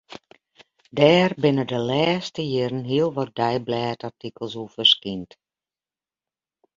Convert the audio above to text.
Dêr binne de lêste jierren hiel wat deiblêdartikels oer ferskynd.